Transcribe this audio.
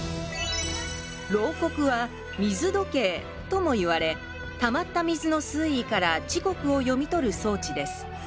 漏刻は水時計ともいわれたまった水の水位から時刻を読み取る装置です。